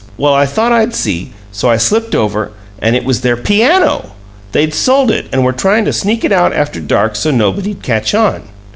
Well, I thought I'd see, so I slipped over and it was their PIANO! They'd sold it and were trying to sneak it out after dark, so nobody'd catch on!"